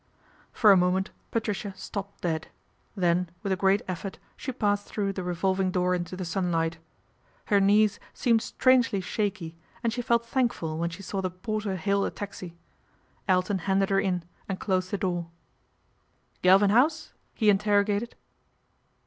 For a moment Patricia stopped dead, then with a great effort she passed through the revolving A RACE WITH SPINSTERHOOD 297 door into the sunlight. Her knees seemed strangely shaky, and she felt thankful when she saw the porter hail a taxi. Elton handed her in and closed the door. " Galvin House ?" he interrogated.